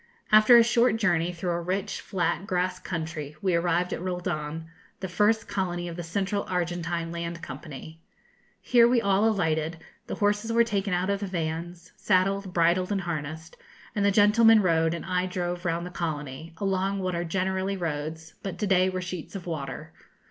After a short journey through a rich, flat, grass country, we arrived at Roldan, the first colony of the Central Argentine Land Company. Here we all alighted, the horses were taken out of the vans, saddled, bridled, and harnessed, and the gentlemen rode and I drove round the colony, along what are generally roads, but to day were sheets of water.